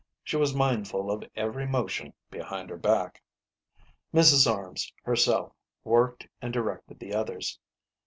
She was mindful of every mo tion behind her back. Mrs. Arms herself worked and directed the others.